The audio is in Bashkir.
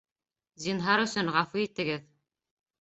Зинһар өсөн, ғәфү итегеҙ!